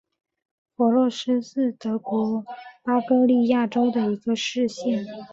弗洛斯是德国巴伐利亚州的一个市镇。